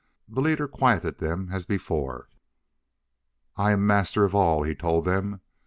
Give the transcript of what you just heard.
The leader quieted them as before. "I am Master of All," he told them.